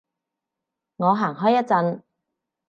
我行開一陣